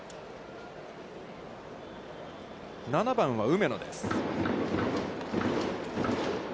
７番は梅野です。